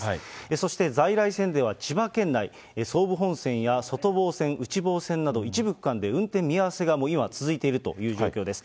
そして在来線では千葉県内、総武本線や外房線、内房線など一部区間で運転見合わせが今、続いているという状況です。